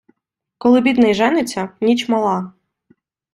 Коли бідний жениться, ніч мала.